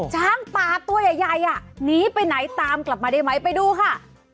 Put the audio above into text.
ช้างป่าตัวใหญ่หนีไปไหนตามกลับมาได้ไหมไปดูค่ะ